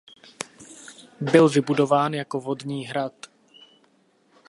Byl vybudován jako vodní hrad.